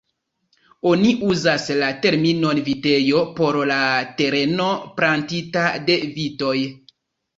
Oni uzas la terminon vitejo por la tereno plantita de vitoj.